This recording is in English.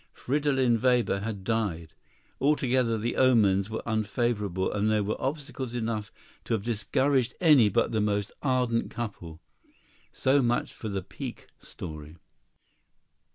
Fridolin Weber had died. Altogether the omens were unfavorable, and there were obstacles enough to have discouraged any but the most ardent couple. So much for the pique story.